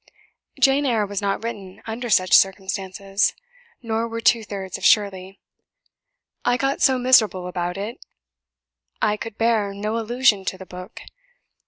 'Jane Eyre' was not written under such circumstances, nor were two thirds of 'Shirley'. I got so miserable about it, I could bear no allusion to the book.